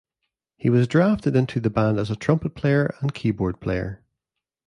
He was drafted into the band as a trumpet player and keyboard player.